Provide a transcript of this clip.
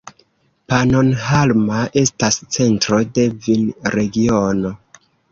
Pannonhalma estas centro de vinregiono.